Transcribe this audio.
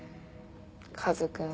カズくん